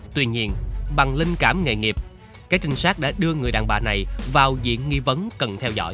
tuy nhiên bằng linh cảm nghề nghiệp các trinh sát đã đưa người đàn bà này vào diện nghi vấn cần theo dõi